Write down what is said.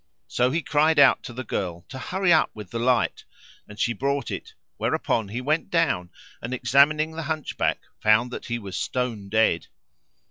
So he cried out to the girl to hurry up with the light, and she brought it, whereupon he went down and examining the Hunchback found that he was stone dead.